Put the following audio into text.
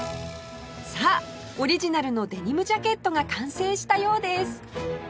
さあオリジナルのデニムジャケットが完成したようです